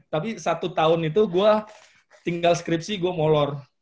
tapi satu tahun itu gue tinggal skripsi gue molor